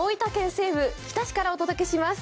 西部、日田市からお届けします。